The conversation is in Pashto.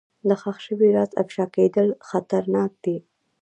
د ښخ شوي راز افشا کېدل خطرناک دي.